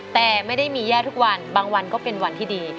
แต่ไม่ได้มีแย่ทุกวันบางวันก็เป็นวันที่ดี